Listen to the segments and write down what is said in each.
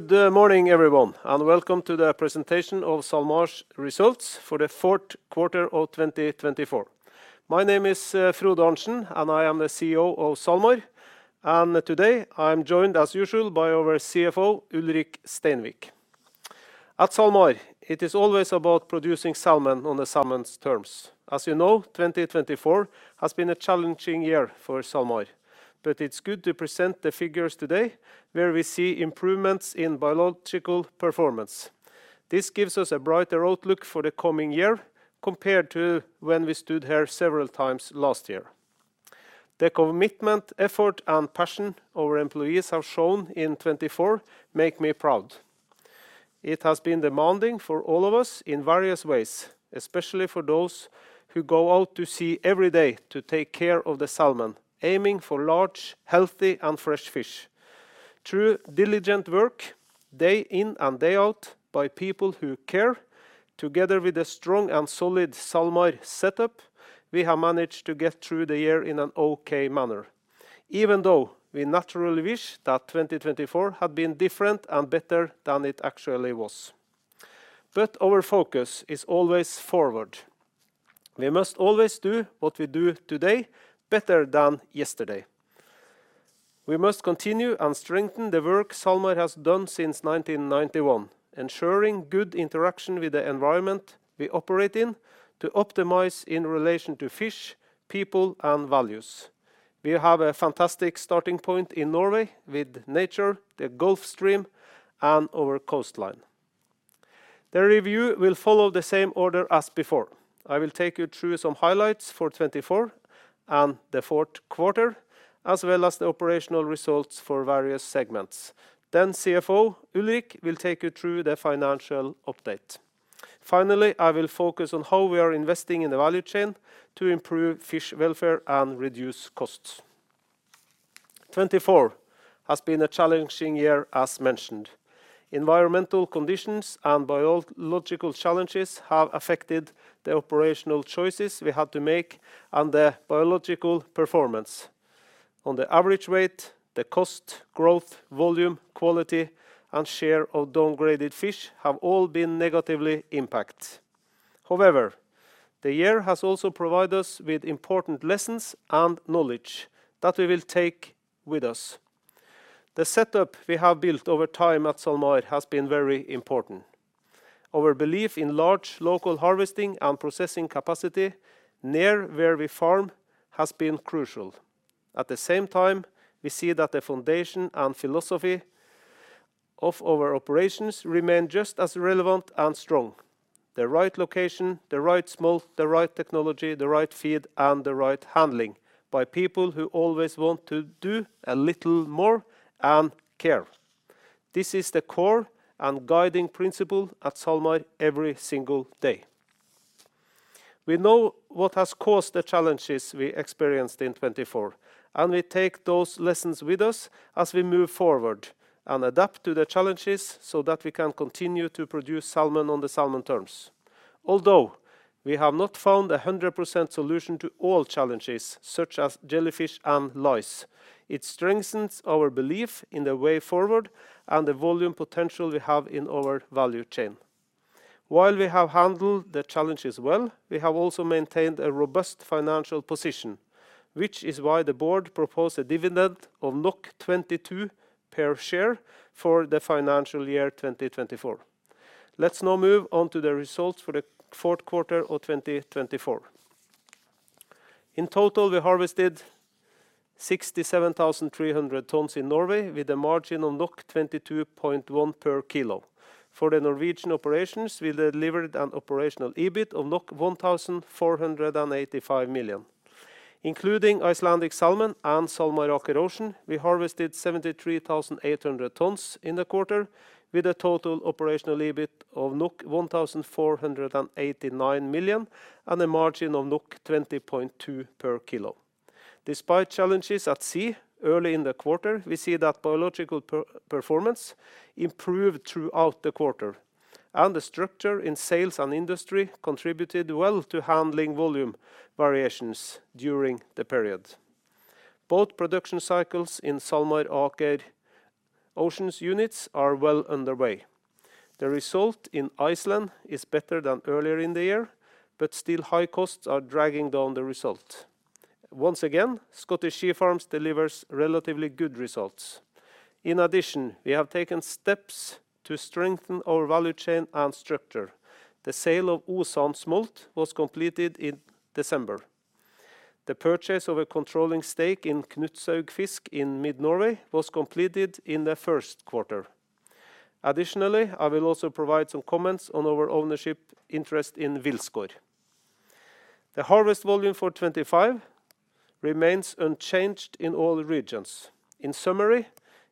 Good morning, everyone, and welcome to the presentation of SalMar's results for the fourth quarter of 2024. My name is Frode Arntsen, and I am the CEO of SalMar. Today, I'm joined, as usual, by our CFO, Ulrik Steinvik. At SalMar, it is always about producing salmon on the salmon's terms. As you know, 2024 has been a challenging year for SalMar, but it's good to present the figures today, where we see improvements in biological performance. This gives us a brighter outlook for the coming year compared to when we stood here several times last year. The commitment, effort, and passion our employees have shown in 2024 make me proud. It has been demanding for all of us in various ways, especially for those who go out to sea every day to take care of the salmon, aiming for large, healthy, and fresh fish. Through diligent work, day in and day out, by people who care, together with a strong and solid SalMar setup, we have managed to get through the year in an okay manner, even though we naturally wish that 2024 had been different and better than it actually was. But our focus is always forward. We must always do what we do today better than yesterday. We must continue and strengthen the work SalMar has done since 1991, ensuring good interaction with the environment we operate in to optimize in relation to fish, people, and values. We have a fantastic starting point in Norway with nature, the Gulf Stream, and our coastline. The review will follow the same order as before. I will take you through some highlights for 2024 and the fourth quarter, as well as the operational results for various segments. Then CFO Ulrik will take you through the financial update. Finally, I will focus on how we are investing in the value chain to improve fish welfare and reduce costs. 2024 has been a challenging year, as mentioned. Environmental conditions and biological challenges have affected the operational choices we had to make and the biological performance. On the average weight, the cost, growth, volume, quality, and share of downgraded fish have all been negatively impacted. However, the year has also provided us with important lessons and knowledge that we will take with us. The setup we have built over time at SalMar has been very important. Our belief in large local harvesting and processing capacity near where we farm has been crucial. At the same time, we see that the foundation and philosophy of our operations remain just as relevant and strong: the right location, the right smolt, the right technology, the right feed, and the right handling by people who always want to do a little more and care. This is the core and guiding principle at SalMar every single day. We know what has caused the challenges we experienced in 2024, and we take those lessons with us as we move forward and adapt to the challenges so that we can continue to produce salmon on the salmon terms. Although we have not found a 100% solution to all challenges, such as jellyfish and lice, it strengthens our belief in the way forward and the volume potential we have in our value chain. While we have handled the challenges well, we have also maintained a robust financial position, which is why the board proposed a dividend of 22 per share for the financial year 2024. Let's now move on to the results for the fourth quarter of 2024. In total, we harvested 67,300 tons in Norway with a margin of 22.1 per kilo. For the Norwegian operations, we delivered an operational EBIT of 1,485 million. Including Icelandic Salmon and SalMar Aker Ocean, we harvested 73,800 tons in the quarter with a total operational EBIT of 1,489 million and a margin of 20.2 per kilo. Despite challenges at sea, early in the quarter, we see that biological performance improved throughout the quarter, and the structure in sales and industry contributed well to handling volume variations during the period. Both production cycles in SalMar Aker Ocean's units are well underway. The result in Iceland is better than earlier in the year, but still high costs are dragging down the result. Once again, Scottish Sea Farms delivers relatively good results. In addition, we have taken steps to strengthen our value chain and structure. The sale of Østland Smolt was completed in December. The purchase of a controlling stake in Knutshaugfisk in Mid-Norway was completed in the first quarter. Additionally, I will also provide some comments on our ownership interest in Wilsgård. The harvest volume for 2025 remains unchanged in all regions. In summary,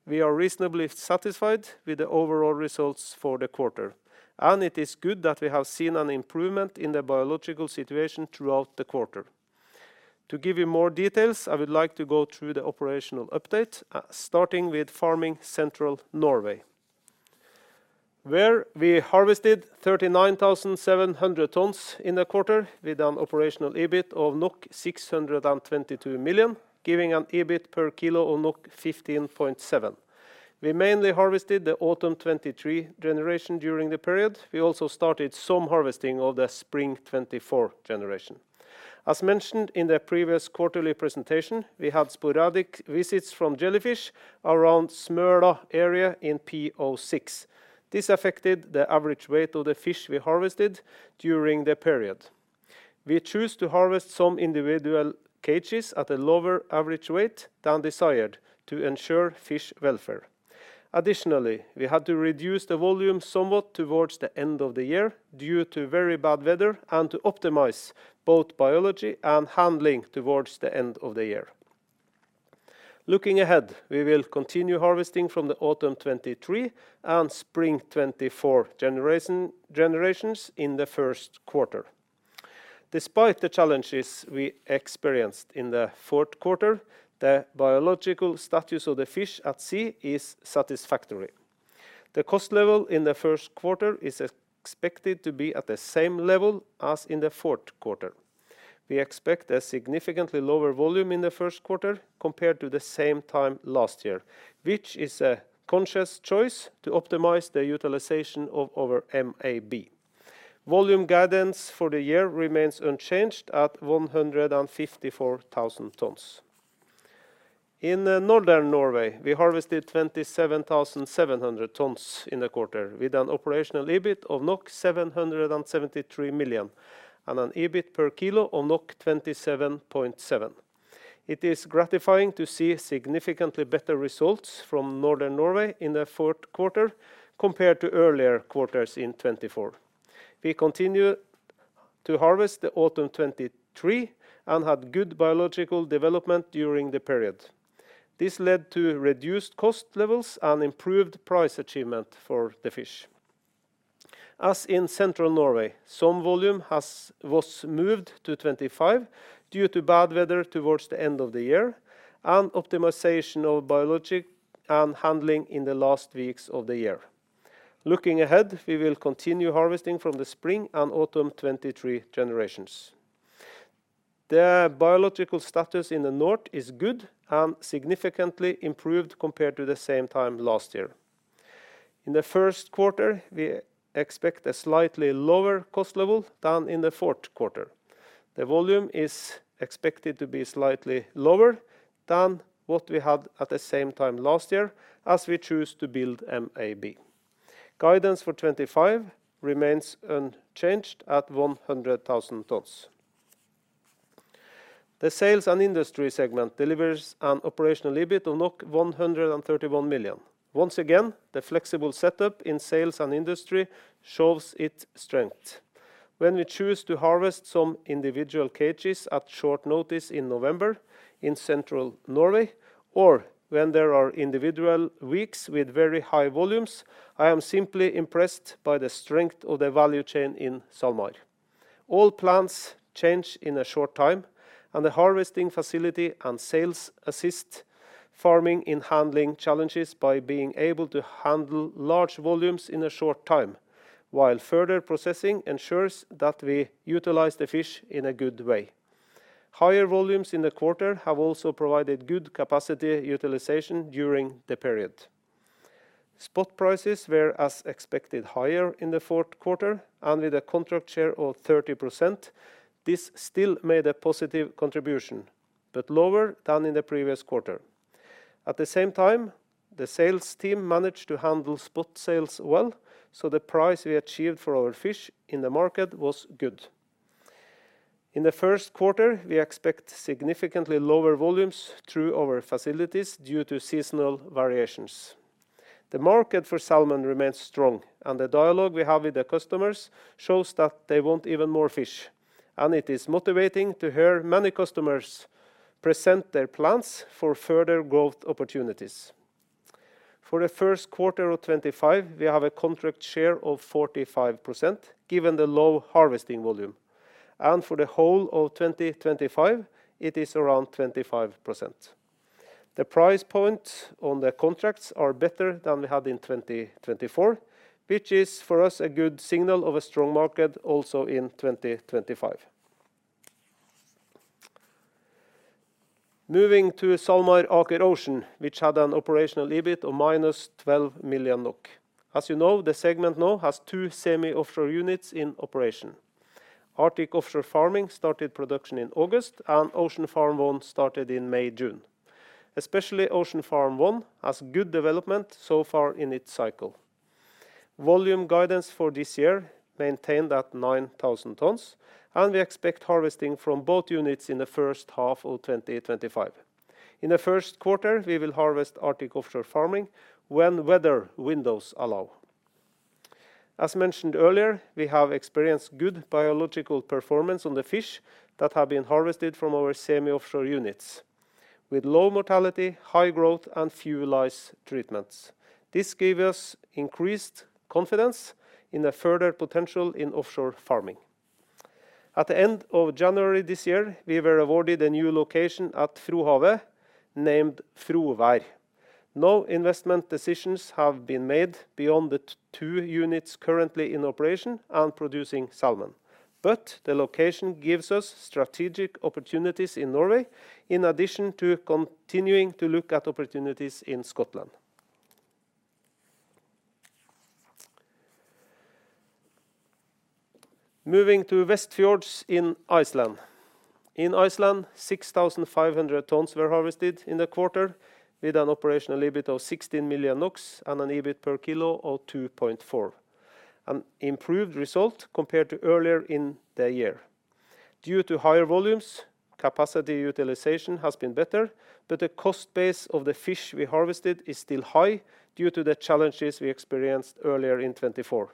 we are reasonably satisfied with the overall results for the quarter, and it is good that we have seen an improvement in the biological situation throughout the quarter. To give you more details, I would like to go through the operational update, starting with Farming Central Norway, where we harvested 39,700 tons in the quarter with an operational EBIT of 622 million, giving an EBIT per kilo of 15.7. We mainly harvested the Autumn 2023 generation during the period. We also started some harvesting of the Spring 2024 generation. As mentioned in the previous quarterly presentation, we had sporadic visits from jellyfish around Smøla area in PO6. This affected the average weight of the fish we harvested during the period. We chose to harvest some individual cages at a lower average weight than desired to ensure fish welfare. Additionally, we had to reduce the volume somewhat towards the end of the year due to very bad weather and to optimize both biology and handling towards the end of the year. Looking ahead, we will continue harvesting from the autumn 2023 and spring 2024 generations in the first quarter. Despite the challenges we experienced in the fourth quarter, the biological status of the fish at sea is satisfactory. The cost level in the first quarter is expected to be at the same level as in the fourth quarter. We expect a significantly lower volume in the first quarter compared to the same time last year, which is a conscious choice to optimize the utilization of our MAB. Volume guidance for the year remains unchanged at 154,000 tons. In Northern Norway, we harvested 27,700 tons in the quarter with an operational EBIT of 773 million and an EBIT per kilo of 27.7. It is gratifying to see significantly better results from Northern Norway in the fourth quarter compared to earlier quarters in 2024. We continue to harvest the Autumn 2023 and had good biological development during the period. This led to reduced cost levels and improved price achievement for the fish. As in Central Norway, some volume was moved to 2025 due to bad weather towards the end of the year and optimization of biology and handling in the last weeks of the year. Looking ahead, we will continue harvesting from the Spring and Autumn 2023 generations. The biological status in the north is good and significantly improved compared to the same time last year. In the first quarter, we expect a slightly lower cost level than in the fourth quarter. The volume is expected to be slightly lower than what we had at the same time last year as we chose to build MAB. Guidance for 2025 remains unchanged at 100,000 tons. The sales and industry segment delivers an operational EBIT of 131 million. Once again, the flexible setup in sales and industry shows its strength. When we choose to harvest some individual cages at short notice in November in Central Norway, or when there are individual weeks with very high volumes, I am simply impressed by the strength of the value chain in SalMar. All plans change in a short time, and the harvesting facility and sales assist farming in handling challenges by being able to handle large volumes in a short time, while further processing ensures that we utilize the fish in a good way. Higher volumes in the quarter have also provided good capacity utilization during the period. Spot prices were as expected higher in the fourth quarter, and with a contract share of 30%, this still made a positive contribution, but lower than in the previous quarter. At the same time, the sales team managed to handle spot sales well, so the price we achieved for our fish in the market was good. In the first quarter, we expect significantly lower volumes through our facilities due to seasonal variations. The market for salmon remains strong, and the dialogue we have with the customers shows that they want even more fish, and it is motivating to hear many customers present their plans for further growth opportunities. For the first quarter of 2025, we have a contract share of 45% given the low harvesting volume, and for the whole of 2025, it is around 25%. The price points on the contracts are better than we had in 2024, which is for us a good signal of a strong market also in 2025. Moving to SalMar Aker Ocean, which had an operational EBIT of minus 12 million NOK. As you know, the segment now has two semi-offshore units in operation. Arctic Offshore Farming started production in August, and Ocean Farm One started in May-June. Especially Ocean Farm One has good development so far in its cycle. Volume guidance for this year maintained at 9,000 tons, and we expect harvesting from both units in the first half of 2025. In the first quarter, we will harvest Arctic Offshore Farming when weather windows allow. As mentioned earlier, we have experienced good biological performance on the fish that have been harvested from our semi-offshore units, with low mortality, high growth, and few lice treatments. This gave us increased confidence in the further potential in offshore farming. At the end of January this year, we were awarded a new location at Frohavet named Frovær. No investment decisions have been made beyond the two units currently in operation and producing salmon, but the location gives us strategic opportunities in Norway in addition to continuing to look at opportunities in Scotland. Moving to Westfjords in Iceland. In Iceland, 6,500 tons were harvested in the quarter with an operational EBIT of 16 million NOK and an EBIT per kilo of 2.4, an improved result compared to earlier in the year. Due to higher volumes, capacity utilization has been better, but the cost base of the fish we harvested is still high due to the challenges we experienced earlier in 2024.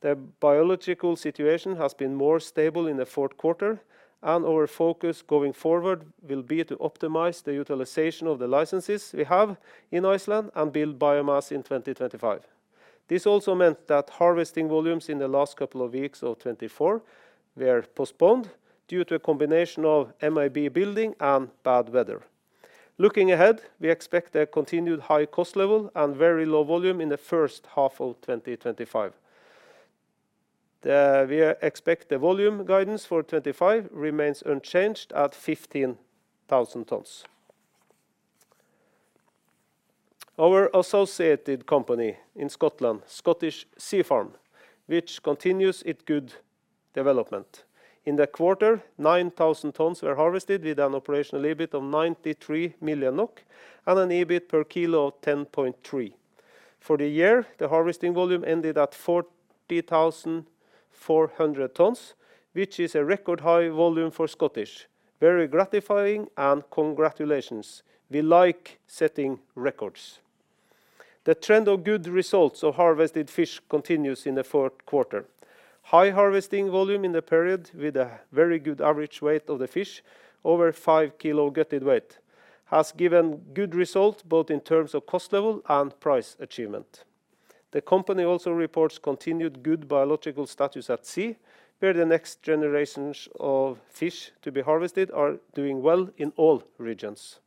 The biological situation has been more stable in the fourth quarter, and our focus going forward will be to optimize the utilization of the licenses we have in Iceland and build biomass in 2025. This also meant that harvesting volumes in the last couple of weeks of 2024 were postponed due to a combination of MAB building and bad weather. Looking ahead, we expect a continued high cost level and very low volume in the first half of 2025. We expect the volume guidance for 2025 remains unchanged at 15,000 tons. Our associated company in Scotland, Scottish Sea Farms, which continues its good development. In the quarter, 9,000 tons were harvested with an operational EBIT of 93 million NOK and an EBIT per kilo of 10.3. For the year, the harvesting volume ended at 40,400 tons, which is a record high volume for Scottish. Very gratifying and congratulations. We like setting records. The trend of good results of harvested fish continues in the fourth quarter. High harvesting volume in the period with a very good average weight of the fish, over five kilo gutted weight, has given good results both in terms of cost level and price achievement. The company also reports continued good biological status at sea, where the next generations of fish to be harvested are doing well in all regions.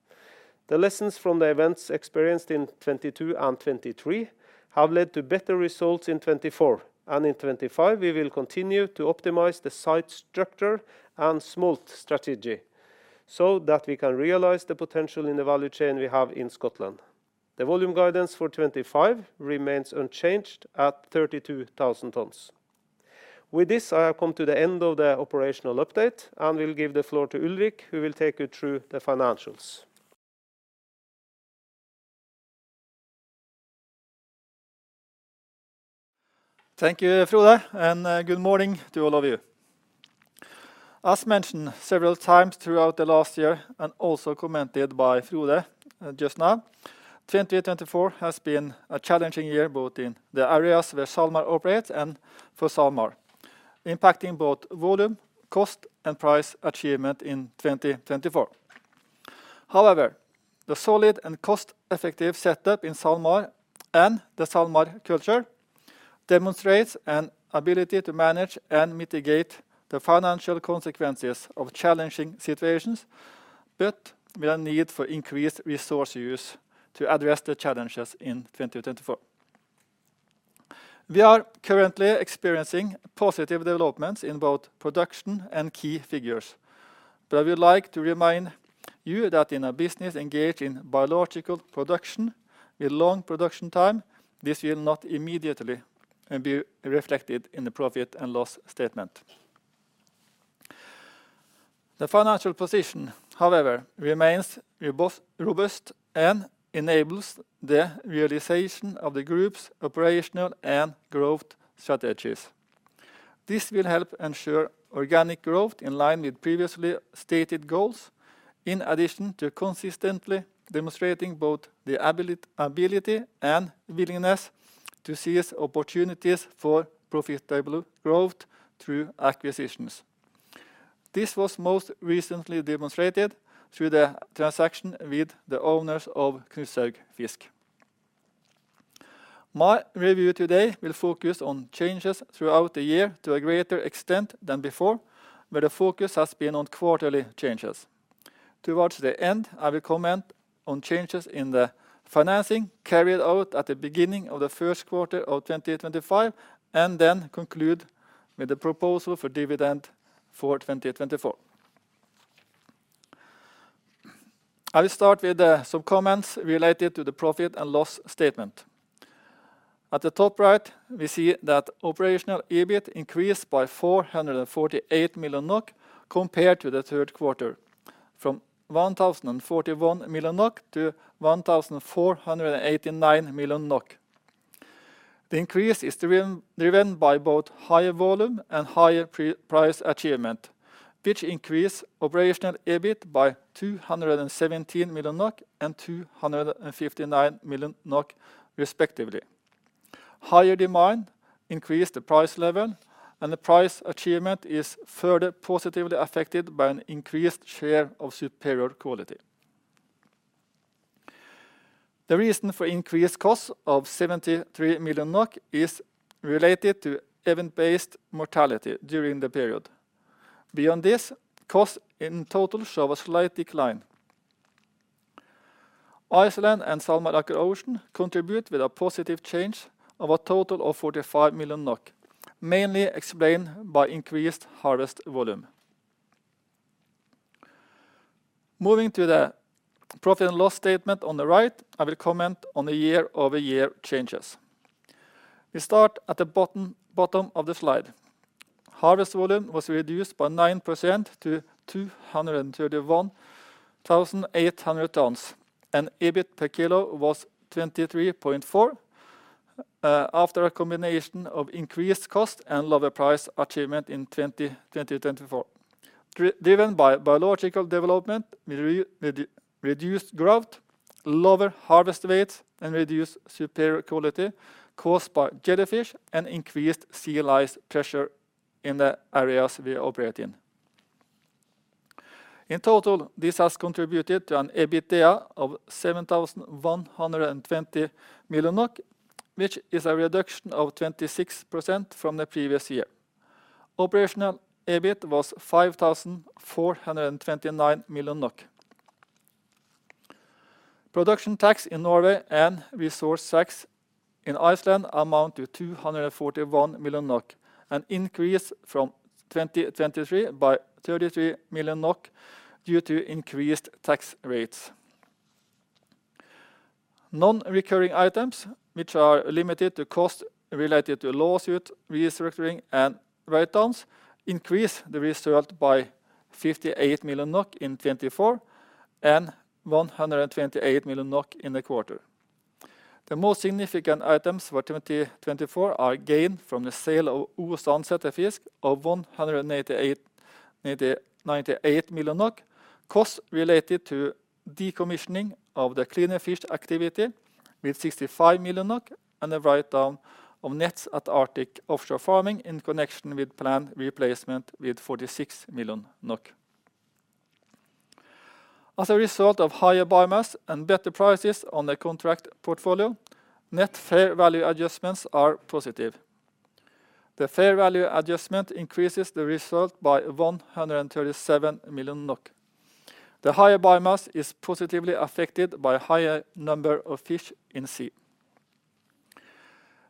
The lessons from the events experienced in 2022 and 2023 have led to better results in 2024, and in 2025, we will continue to optimize the site structure and smolt strategy so that we can realize the potential in the value chain we have in Scotland. The volume guidance for 2025 remains unchanged at 32,000 tons. With this, I have come to the end of the operational update, and we'll give the floor to Ulrik, who will take you through the financials. Thank you, Frode, and good morning to all of you. As mentioned several times throughout the last year and also commented by Frode just now, 2024 has been a challenging year both in the areas where SalMar operates and for SalMar, impacting both volume, cost, and price achievement in 2024. However, the solid and cost-effective setup in SalMar and the SalMar culture demonstrates an ability to manage and mitigate the financial consequences of challenging situations, but with a need for increased resource use to address the challenges in 2024. We are currently experiencing positive developments in both production and key figures, but I would like to remind you that in a business engaged in biological production with long production time, this will not immediately be reflected in the profit and loss statement. The financial position, however, remains robust and enables the realization of the group's operational and growth strategies. This will help ensure organic growth in line with previously stated goals, in addition to consistently demonstrating both the ability and willingness to seize opportunities for profitable growth through acquisitions. This was most recently demonstrated through the transaction with the owners of Knutshaugfisk. My review today will focus on changes throughout the year to a greater extent than before, where the focus has been on quarterly changes. Towards the end, I will comment on changes in the financing carried out at the beginning of the first quarter of 2025 and then conclude with the proposal for dividend for 2024. I will start with some comments related to the profit and loss statement. At the top right, we see that Operational EBIT increased by 448 million NOK compared to the third quarter, from 1,041 million NOK to 1,489 million NOK. The increase is driven by both higher volume and higher price achievement, which increased Operational EBIT by 217 million NOK and 259 million NOK, respectively. Higher demand increased the price level, and the price achievement is further positively affected by an increased share of Superior quality. The reason for increased costs of 73 million NOK is related to event-based mortality during the period. Beyond this, costs in total show a slight decline. Iceland and SalMar Aker Ocean contribute with a positive change of a total of 45 million NOK, mainly explained by increased harvest volume. Moving to the profit and loss statement on the right, I will comment on the year-over-year changes. We start at the bottom of the slide. Harvest volume was reduced by 9% to 231,800 tons, and EBIT per kilo was 23.4 after a combination of increased cost and lower price achievement in 2024. Driven by biological development, we reduced growth, lower harvest weight, and reduced Superior quality caused by jellyfish and increased sea lice pressure in the areas we operate in. In total, this has contributed to an EBITDA of 7,120 million NOK, which is a reduction of 26% from the previous year. Operational EBIT was 5,429 million NOK. Production tax in Norway and resource tax in Iceland amount to 241 million NOK, an increase from 2023 by 33 million NOK due to increased tax rates. Non-recurring items, which are limited to costs related to lawsuit, restructuring, and write-downs, increased the result by 58 million NOK in 2024 and 128 million NOK in the quarter. The most significant items for 2024 are gain from the sale of Østland Sæterfisk of 198 million NOK, costs related to decommissioning of the cleaner fish activity with 65 million NOK, and the write-down of NTS at Arctic Offshore Farming in connection with plant replacement with 46 million NOK. As a result of higher biomass and better prices on the contract portfolio, net fair value adjustments are positive. The fair value adjustment increases the result by 137 million NOK. The higher biomass is positively affected by a higher number of fish in sea.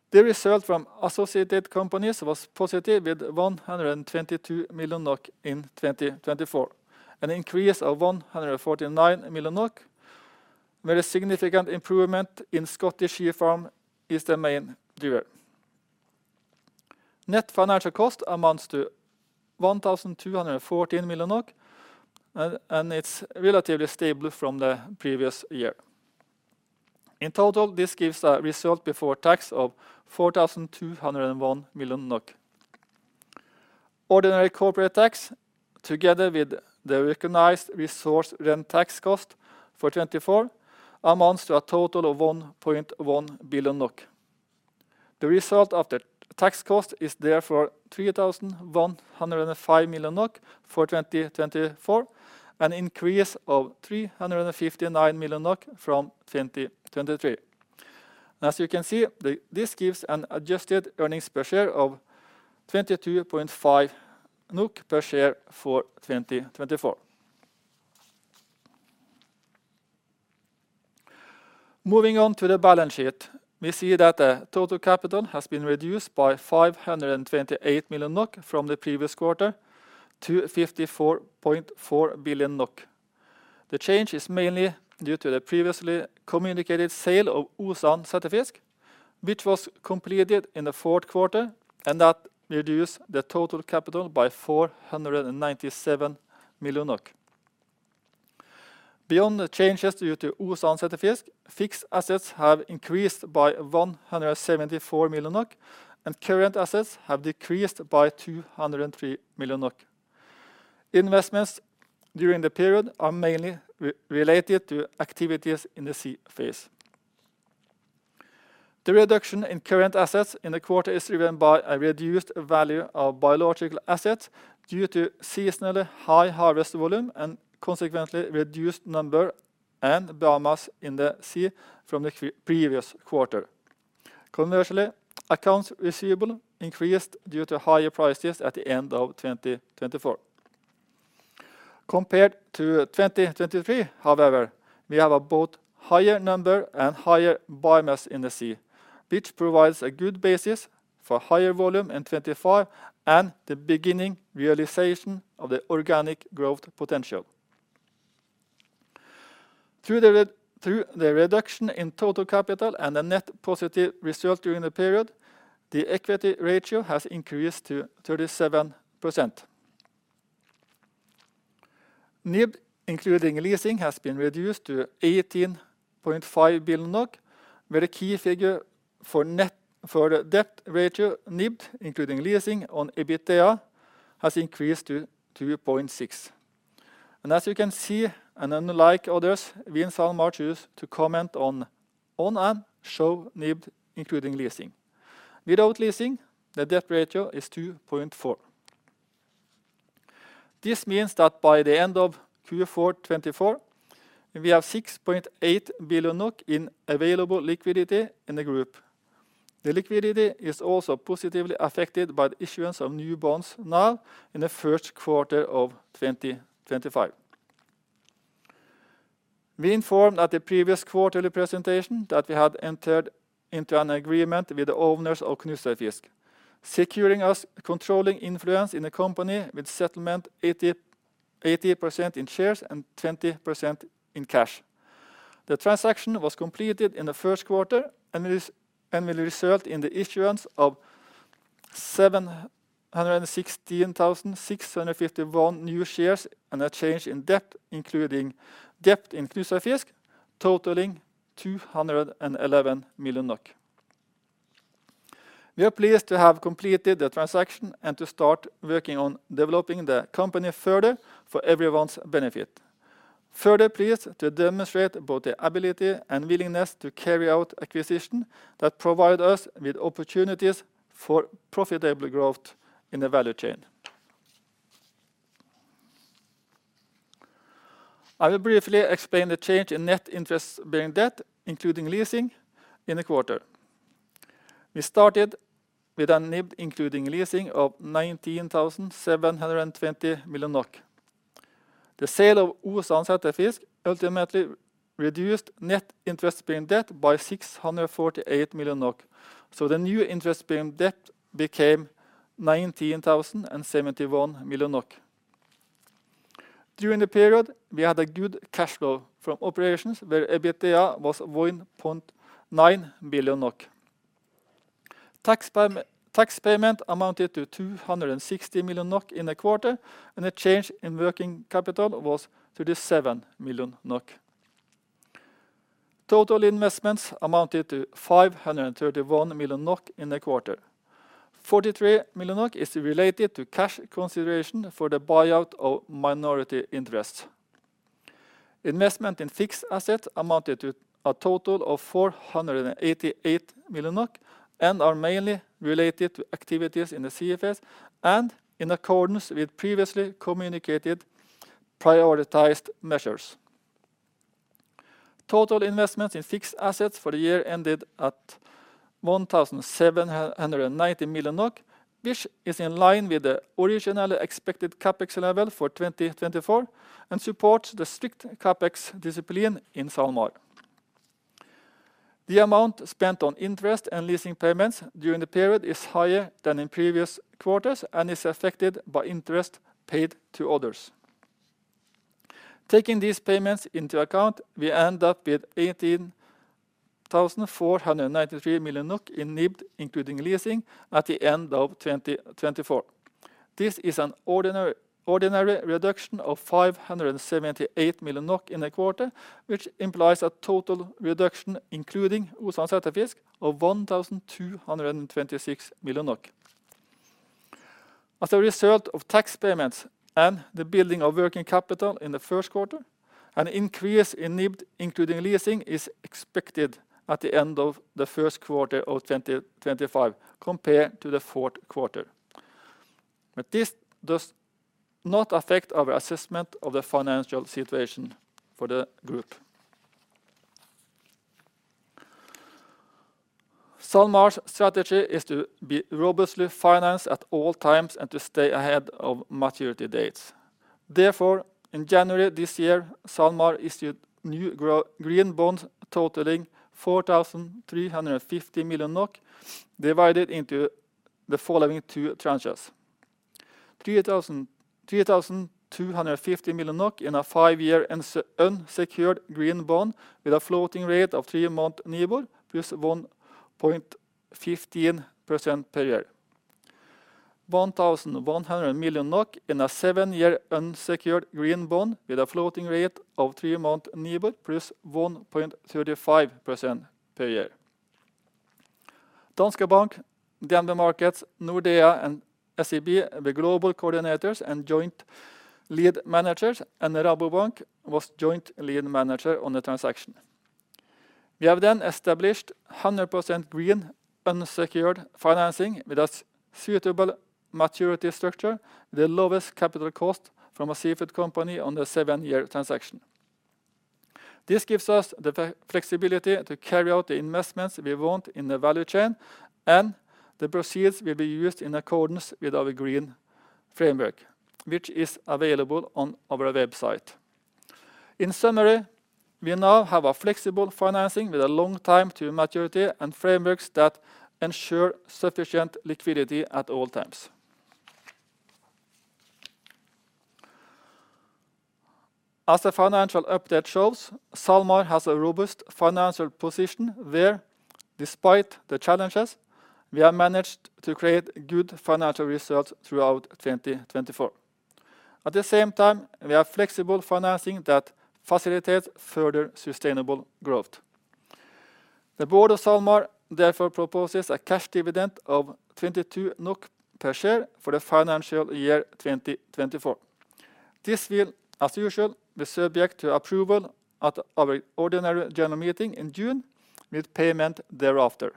The result from associated companies was positive with 122 million NOK in 2024, an increase of 149 million NOK, where a significant improvement in Scottish Sea Farms is the main driver. Net financial cost amounts to 1,214 million, and it's relatively stable from the previous year. In total, this gives a result before tax of 4,201 million NOK. Ordinary corporate tax, together with the recognized resource rent tax cost for 2024, amounts to a total of 1.1 billion NOK. The result of the tax cost is therefore 3,105 million NOK for 2024, an increase of 359 million NOK from 2023. As you can see, this gives an adjusted earnings per share of 22.5 NOK per share for 2024. Moving on to the balance sheet, we see that the total capital has been reduced by 528 million NOK from the previous quarter to 54.4 billion NOK. The change is mainly due to the previously communicated sale of Østland Sæterfisk, which was completed in the fourth quarter, and that reduced the total capital by 497 million. Beyond the changes due to Østland Sæterfisk, fixed assets have increased by 174 million NOK, and current assets have decreased by 203 million NOK. Investments during the period are mainly related to activities in the sea phase. The reduction in current assets in the quarter is driven by a reduced value of biological assets due to seasonally high harvest volume and consequently reduced number and biomass in the sea from the previous quarter. Conversely, accounts receivable increased due to higher prices at the end of 2024. Compared to 2023, however, we have a both higher number and higher biomass in the sea, which provides a good basis for higher volume in 2025 and the beginning realization of the organic growth potential. Through the reduction in total capital and the net positive result during the period, the equity ratio has increased to 37%. NIBD, including leasing, has been reduced to 18.5 billion, where the key figure for net for the debt ratio, NIBD, including leasing on EBITDA, has increased to 2.6. As you can see, and unlike others, we in SalMar choose to comment on and show NIBD, including leasing. Without leasing, the debt ratio is 2.4. This means that by the end of Q4 2024, we have 6.8 billion NOK in available liquidity in the group. The liquidity is also positively affected by the issuance of new bonds now in the first quarter of 2025. We informed at the previous quarterly presentation that we had entered into an agreement with the owners of Knutshaugfisk, securing us controlling influence in the company with settlement 80% in shares and 20% in cash. The transaction was completed in the first quarter and will result in the issuance of 716,651 new shares and a change in debt, including debt in Knutshaugfisk, totaling 211 million NOK. We are pleased to have completed the transaction and to start working on developing the company further for everyone's benefit. Further pleased to demonstrate both the ability and willingness to carry out acquisition that provide us with opportunities for profitable growth in the value chain. I will briefly explain the change in net interest-bearing debt, including leasing, in the quarter. We started with a NIBD, including leasing, of 19,720 million NOK. The sale of Østland Sæterfisk ultimately reduced net interest-bearing debt by 648 million NOK, so the new interest-bearing debt became 19,071 million NOK. During the period, we had a good cash flow from operations, where EBITDA was 1.9 billion NOK. Tax payment amounted to 260 million NOK in the quarter, and the change in working capital was 37 million NOK. Total investments amounted to 531 million NOK in the quarter. 43 million NOK is related to cash consideration for the buyout of minority interests. Investment in fixed assets amounted to a total of 488 million NOK and are mainly related to activities in the CFS and in accordance with previously communicated prioritized measures. Total investments in fixed assets for the year ended at 1,790 million, which is in line with the originally expected CapEx level for 2024 and supports the strict CapEx discipline in SalMar. The amount spent on interest and leasing payments during the period is higher than in previous quarters and is affected by interest paid to others. Taking these payments into account, we end up with 18,493 million NOK in NIBD, including leasing, at the end of 2024. This is an ordinary reduction of 578 million NOK in the quarter, which implies a total reduction, including Østland Sæterfisk, of 1,226 million. As a result of tax payments and the building of working capital in the first quarter, an increase in NIBD, including leasing, is expected at the end of the first quarter of 2025 compared to the fourth quarter. But this does not affect our assessment of the financial situation for the group. SalMar's strategy is to be robustly financed at all times and to stay ahead of maturity dates. Therefore, in January this year, SalMar issued new green bonds totaling 4,350 million NOK, divided into the following two tranches: 3,250 million in a five-year unsecured green bond with a floating rate of three-month NIBOR, plus 1.15% per year. 1,100 million NOK in a seven-year unsecured green bond with a floating rate of three-month NIBOR, plus 1.35% per year. Danske Bank, DNB Markets, Nordea and SEB, the global coordinators and joint lead managers, and Rabobank was joint lead manager on the transaction. We have then established 100% green unsecured financing with a suitable maturity structure, the lowest capital cost from a seafood company on the seven-year transaction. This gives us the flexibility to carry out the investments we want in the value chain and the proceeds will be used in accordance with our green framework, which is available on our website. In summary, we now have a flexible financing with a long time to maturity and frameworks that ensure sufficient liquidity at all times. As the financial update shows, SalMar has a robust financial position where, despite the challenges, we have managed to create good financial results throughout 2024. At the same time, we have flexible financing that facilitates further sustainable growth. The board of SalMar therefore proposes a cash dividend of 22 NOK per share for the financial year 2024. This will, as usual, be subject to approval at our ordinary general meeting in June, with payment thereafter.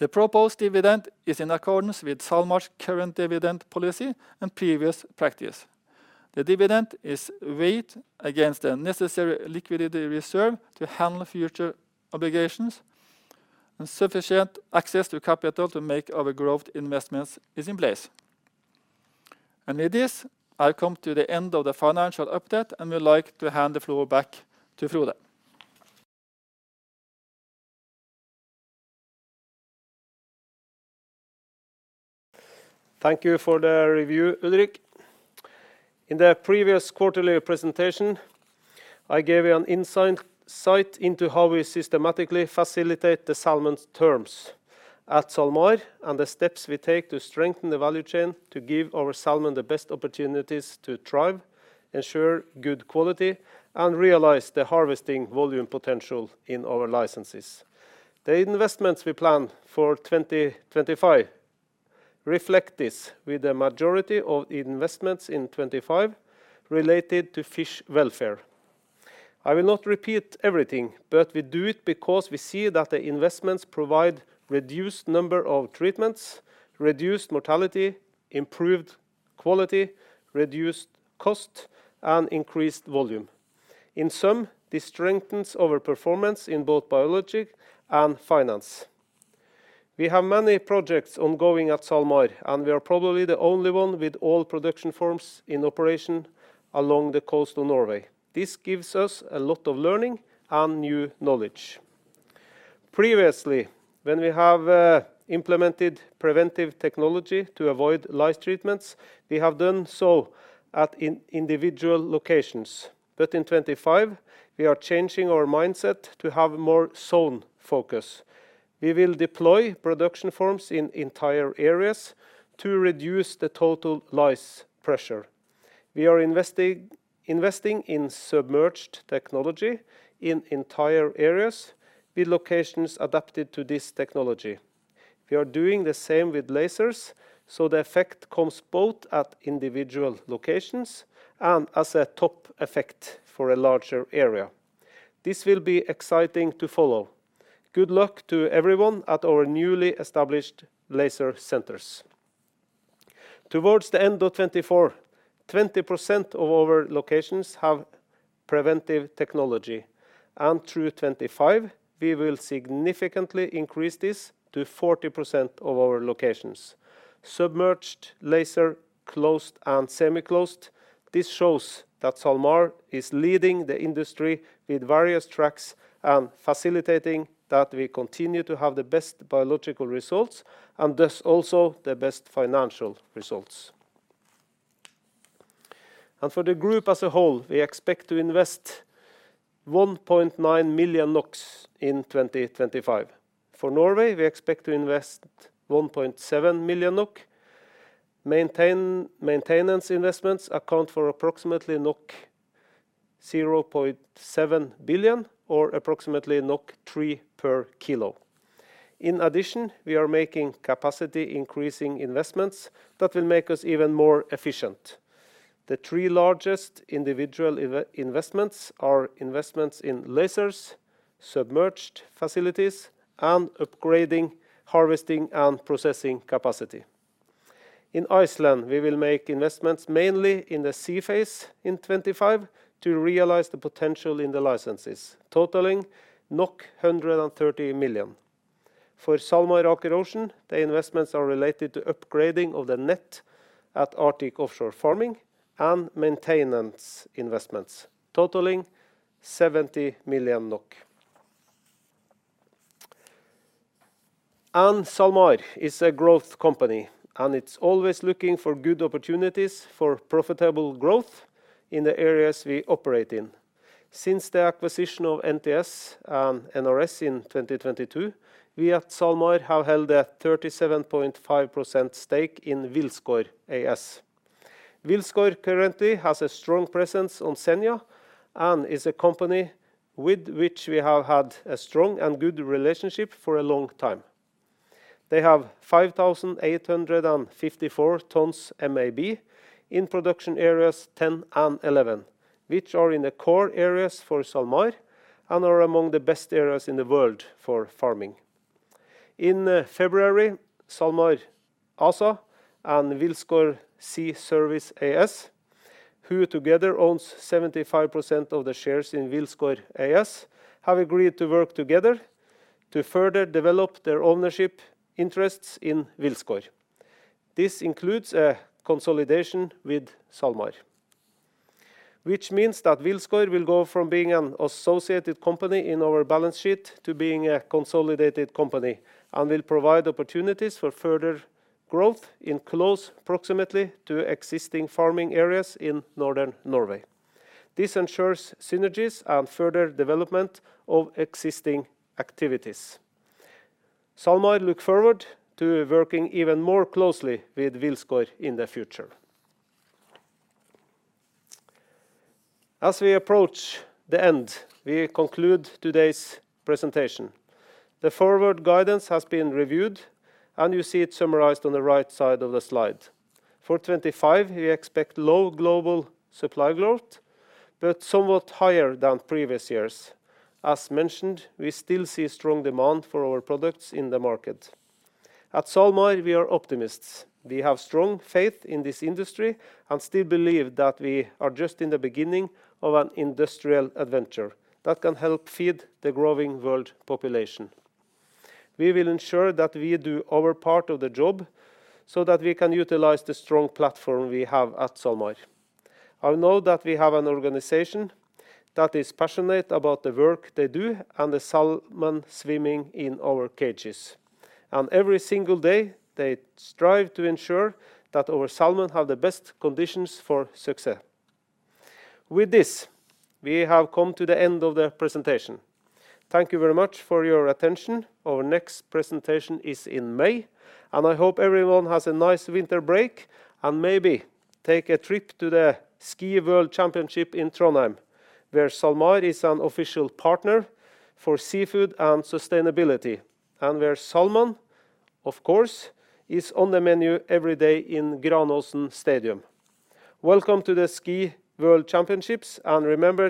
The proposed dividend is in accordance with SalMar's current dividend policy and previous practice. The dividend is weighed against the necessary liquidity reserve to handle future obligations, and sufficient access to capital to make our growth investments is in place. With this, I come to the end of the financial update, and we'd like to hand the floor back to Frode. Thank you for the review, Ulrik. In the previous quarterly presentation, I gave you an insight into how we systematically facilitate the salmon's terms at SalMar and the steps we take to strengthen the value chain to give our salmon the best opportunities to thrive, ensure good quality, and realize the harvesting volume potential in our licenses. The investments we plan for 2025 reflect this with the majority of investments in 2025 related to fish welfare. I will not repeat everything, but we do it because we see that the investments provide a reduced number of treatments, reduced mortality, improved quality, reduced cost, and increased volume. In sum, this strengthens our performance in both biology and finance. We have many projects ongoing at SalMar, and we are probably the only one with all production farms in operation along the coast of Norway. This gives us a lot of learning and new knowledge. Previously, when we have implemented preventive technology to avoid lice treatments, we have done so at individual locations, but in 2025, we are changing our mindset to have more zone focus. We will deploy production farms in entire areas to reduce the total lice pressure. We are investing in submerged technology in entire areas with locations adapted to this technology. We are doing the same with lasers, so the effect comes both at individual locations and as a top effect for a larger area. This will be exciting to follow. Good luck to everyone at our newly established laser centers. Towards the end of 2024, 20% of our locations have preventive technology, and through 2025, we will significantly increase this to 40% of our locations. Submerged, laser, closed, and semi-closed, this shows that SalMar is leading the industry with various tracks and facilitating that we continue to have the best biological results and thus also the best financial results, and for the group as a whole, we expect to invest 1.9 million NOK in 2025. For Norway, we expect to invest 1.7 million NOK. Maintenance investments account for approximately 0.7 billion or approximately NOK three per kilo. In addition, we are making capacity-increasing investments that will make us even more efficient. The three largest individual investments are investments in lasers, submerged facilities, and upgrading harvesting and processing capacity. In Iceland, we will make investments mainly in the sea phase in 2025 to realize the potential in the licenses, totaling NOK 130 million. For SalMar Aker Ocean, the investments are related to upgrading of the net at Arctic Offshore Farming and maintenance investments, totaling NOK 70 million. And SalMar is a growth company, and it's always looking for good opportunities for profitable growth in the areas we operate in. Since the acquisition of NTS and NRS in 2022, we at SalMar have held a 37.5% stake in Wilsgård AS. Wilsgård currently has a strong presence on Senja and is a company with which we have had a strong and good relationship for a long time. They have 5,854 tons MAB in production areas 10 and 11, which are in the core areas for SalMar and are among the best areas in the world for farming. In February, SalMar ASA and Wilsgård Sea Service AS, who together owns 75% of the shares in Wilsgård AS, have agreed to work together to further develop their ownership interests in Wilsgård. This includes a consolidation with SalMar, which means that Wilsgård will go from being an associated company in our balance sheet to being a consolidated company and will provide opportunities for further growth in close proximity to existing farming areas in Northern Norway. This ensures synergies and further development of existing activities. SalMar looks forward to working even more closely with Wilsgård in the future. As we approach the end, we conclude today's presentation. The forward guidance has been reviewed, and you see it summarized on the right side of the slide. For 2025, we expect low global supply growth, but somewhat higher than previous years. As mentioned, we still see strong demand for our products in the market. At SalMar, we are optimists. We have strong faith in this industry and still believe that we are just in the beginning of an industrial adventure that can help feed the growing world population. We will ensure that we do our part of the job so that we can utilize the strong platform we have at SalMar. I know that we have an organization that is passionate about the work they do and the salmon swimming in our cages, and every single day, they strive to ensure that our salmon have the best conditions for success. With this, we have come to the end of the presentation. Thank you very much for your attention. Our next presentation is in May, and I hope everyone has a nice winter break and maybe take a trip to the Ski World Championship in Trondheim, where SalMar is an official partner for seafood and sustainability, and where salmon, of course, is on the menu every day in Granåsen Stadium. Welcome to the Ski World Championships, and remember.